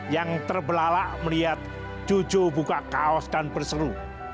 yang terbelalak melihat jujur buka kaos dan berseru